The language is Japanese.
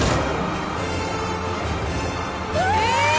え！